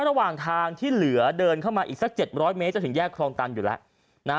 ระหว่างทางที่เหลือเดินเข้ามาอีกสัก๗๐๐เมตรจะถึงแยกครองตันอยู่แล้ว